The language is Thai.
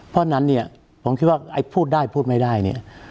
เพราะฉะนั้นเนี่ยผมคิดว่าไอ้พูดได้พูดไม่ได้เนี่ย